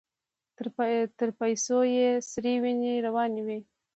تر پايڅو يې سرې وينې روانې وې.